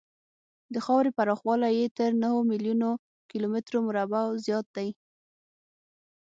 د خاورې پراخوالی یې تر نهو میلیونو کیلومترو مربعو زیات دی.